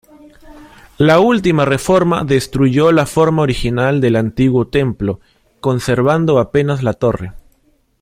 La última reforma destruyó la forma original del antiguo templo, conservando apenas la torre.